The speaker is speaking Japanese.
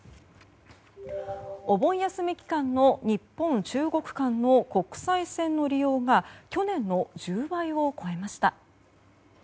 お盆休み期間の日本中国間の国際線の利用が去年の１０倍を超えました。